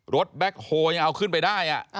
รถแบคโฮล์ยังเอาขึ้นไปได้อะ